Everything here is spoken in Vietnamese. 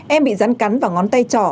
em bị rắn cắn vào ngón tay trỏ